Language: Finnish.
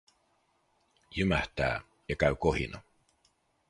Jymähtää, ja käy kohina.